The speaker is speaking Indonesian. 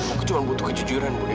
aku cuma butuh kejujuran budde